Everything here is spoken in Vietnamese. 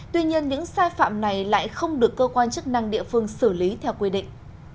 tuy nhiên những sai phạm này lại không được cơ quan chức năng địa phương xử lý theo quy định